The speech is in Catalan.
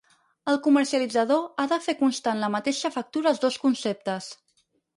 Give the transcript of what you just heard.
El comercialitzador ha de fer constar en la mateixa factura els dos conceptes.